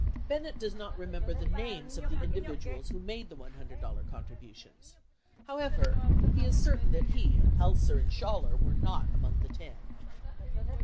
Bennett does not remember the names of the individuals who made the $100 contributions ; however, he is certain that he, Heltzer, and Schaller were not among the ten.